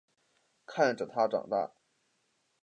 看着他长大